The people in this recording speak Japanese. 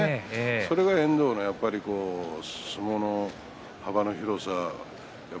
それが遠藤の相撲幅の広さ。